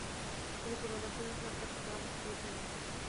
তিনি পুনর্বাসনে সরকারকে পরামর্শ দিয়েছিলেন।